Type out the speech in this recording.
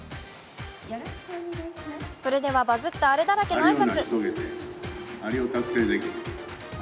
それではバズったアレだらけの挨拶。